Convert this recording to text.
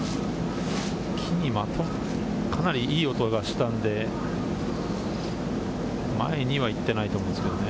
木に当たって、かなりいい音がしたので、前には行っていないと思うんですよね。